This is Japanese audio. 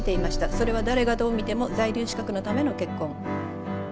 それは誰がどう見ても「在留資格のための結婚」だと思いますが。